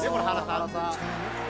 「原さん」